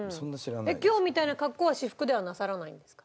今日みたいな格好は私服ではなさらないんですか？